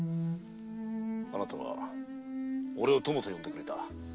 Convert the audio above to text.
あなたは俺を友と呼んでくれた。